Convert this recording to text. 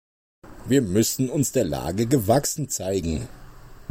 Wir müssen uns der Lage gewachsen zeigen.